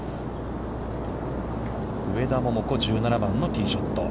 上田桃子、１７番のティーショット。